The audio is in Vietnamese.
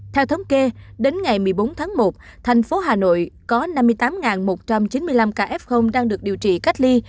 theo thống kê đến ngày một mươi bốn tháng một thành phố hà nội có năm mươi tám một trăm chín mươi năm ca f đang được điều trị cách ly